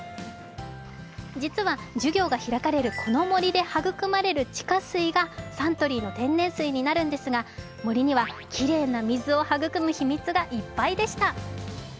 実は授業が開かれるこの森で育まれる地下水がサントリーの天然水になるんですが、森にはきれいな水を育む秘密がいっぱいでした。